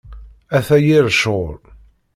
Ata yir ccɣel!